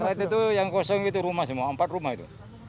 itu yang kosong itu rumah semua empat rumah itu